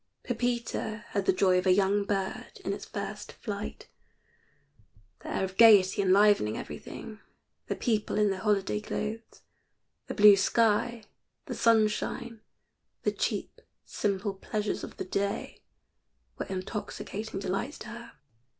Pepita had the joy of a young bird in its first flight. The air of gayety enlivening everything, the people in their holiday clothes, the blue sky, the sunshine, the cheap simple pleasures of the day, were intoxicating delights to her.